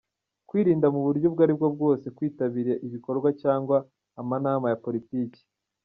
-Kwirinda mu buryo ubwo ari bwo bwose kwitabira ibikorwa cyangwa amanama ya politiki